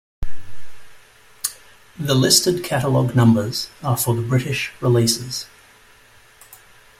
The listed catalog numbers are for the British releases.